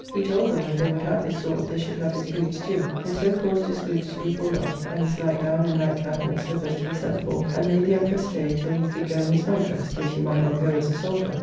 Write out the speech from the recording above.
He told them, if they would have his sword, they should have his boots too. And so caused his boots to be pulled off, and his night gown and night cap and slippers to be sent for; and made the Emperor stay till he could go in his night dress, since he might not go as a soldier.